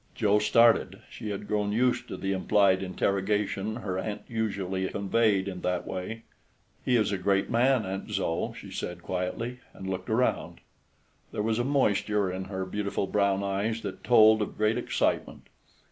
Joe started. She had grown used to the implied interrogation her aunt usually conveyed in that way. "He is a great man, Aunt Zoë," she said quietly, and looked round. There was a moisture in her beautiful brown eyes that told of great excitement.